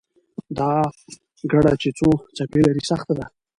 دا ګړه چې څو څپې لري، سخته ده.